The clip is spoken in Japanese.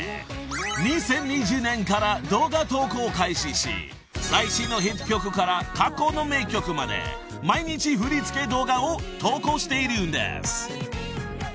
［２０２０年から動画投稿を開始し最新のヒット曲から過去の名曲まで毎日振り付け動画を投稿しているんです］